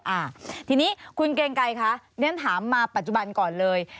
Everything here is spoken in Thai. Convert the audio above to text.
อ่าทีนี้คุณเกรงไกรคะเรียนถามมาปัจจุบันก่อนเลย